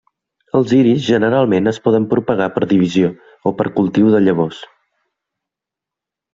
Els iris generalment es poden propagar per divisió, o per cultiu de llavors.